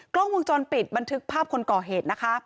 กล้องวงจรปิดบันทึกภาพคนก่อเหตุนะคะ